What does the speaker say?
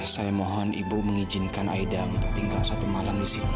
saya mohon ibu mengizinkan aida untuk tinggal satu malam di sini